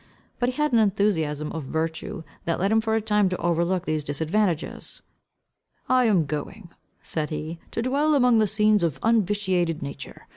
But he had an enthusiasm of virtue, that led him for a time to overlook these disadvantages. "I am going," said he, "to dwell among scenes of unvitiated nature.